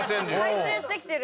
回収してきてる。